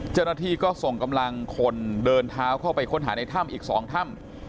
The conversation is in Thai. เจ้าหน้าที่ก็ส่งกำลังคนเดินเท้าเข้าไปค้นหาในถ้ำอีก๒ถ้ำ